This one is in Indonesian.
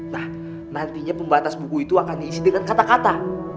nah nantinya pembatas buku itu akan diisi dengan kata kata